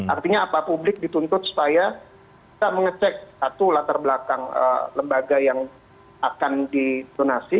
artinya apa publik dituntut supaya kita mengecek satu latar belakang lembaga yang akan didonasi